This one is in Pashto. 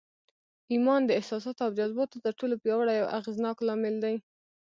ايمان د احساساتو او جذباتو تر ټولو پياوړی او اغېزناک لامل دی.